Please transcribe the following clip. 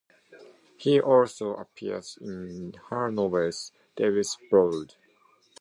He also appears in her novel "Devil's Brood".